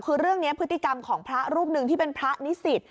คือเรื่องนี้พฤติกรรมของพระรูปหนึ่งที่เป็นพระนิสิต